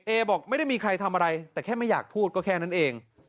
บอกไม่ได้มีใครทำอะไรแต่แค่ไม่อยากพูดก็แค่นั้นเอง